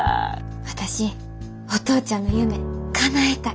私お父ちゃんの夢かなえたい。